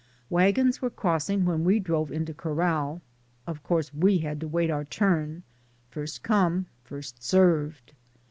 Wagons were crossing when we drove into corral, of course we had to wait our turn — first come, first served.